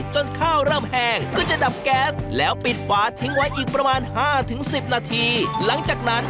จนข้าวเริ่มแหง